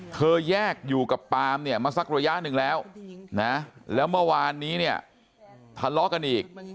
แยกอยู่กับปามเนี่ยมาสักระยะหนึ่งแล้วนะแล้วเมื่อวานนี้เนี่ยทะเลาะกันอีก